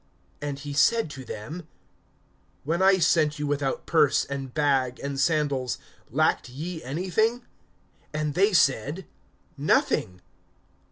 (35)And he said to them: When I sent you without purse, and bag, and sandals, lacked ye anything? And they said: Nothing.